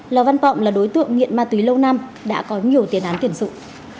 lò văn pọng là đối tượng nghiện ma túy lâu năm đã có nhiều tiền án tuyển dụng